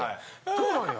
そうなんや。